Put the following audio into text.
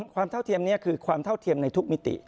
เท่าเทียมนี้คือความเท่าเทียมในทุกมิติ